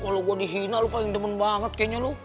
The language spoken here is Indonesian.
kalo gua dihina lu paling demen banget kayaknya lu